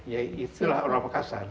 ya itulah orang makassar